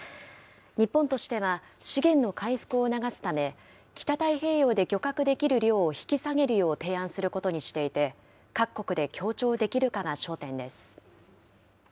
日本としては資源の回復を促すため、北太平洋で漁獲できる量を引き下げるよう提案することにしていて、各国で協調できるかが焦点です。